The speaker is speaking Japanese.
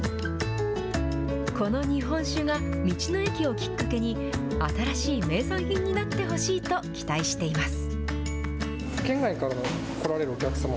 この日本酒が、道の駅をきっかけに、新しい名産品になってほしいと期待しています。